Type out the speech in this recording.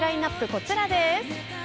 こちらです。